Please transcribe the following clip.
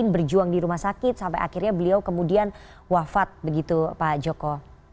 berjuang di rumah sakit sampai akhirnya beliau kemudian wafat begitu pak joko